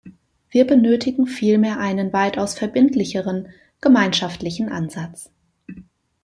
Wir benötigen vielmehr einen weitaus verbindlicheren, gemeinschaftlichen Ansatz.